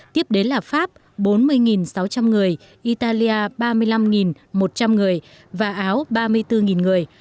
tiếp đến là pháp bốn mươi sáu trăm linh người italia ba mươi năm một trăm linh người và áo ba mươi bốn người